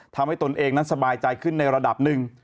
ตนเองนั้นสบายใจขึ้นในระดับหนึ่ง